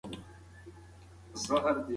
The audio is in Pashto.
پر پښتو روانې ملنډې؛ تصادف که منظمه تګلاره؟